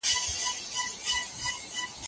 سياست پوهنه د ټولنې په وده کي مهم رول لوبوي.